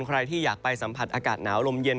ใครที่อยากไปสัมผัสอากาศหนาวลมเย็น